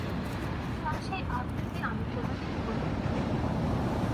তার সেই আবৃত্তি আমি কোনোদিন ভুলব না।